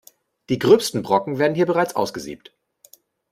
Die gröbsten Brocken werden hier bereits ausgesiebt.